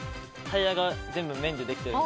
タイヤが全部、麺でできてる。